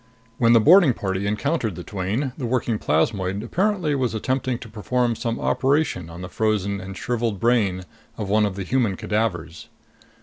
When the boarding party encountered the twain, the working plasmoid apparently was attempting to perform some operation on the frozen and shriveled brain of one of the human cadavers.